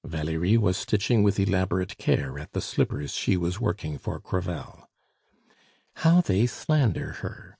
Valerie was stitching with elaborate care at the slippers she was working for Crevel. "How they slander her!"